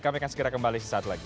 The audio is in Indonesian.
kami akan segera kembali